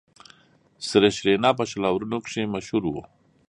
سریش رینا په شل آورونو کښي مشهور وو.